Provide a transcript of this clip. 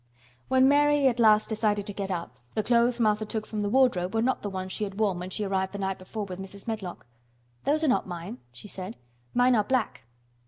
When Mary at last decided to get up, the clothes Martha took from the wardrobe were not the ones she had worn when she arrived the night before with Mrs. Medlock. "Those are not mine," she said. "Mine are black."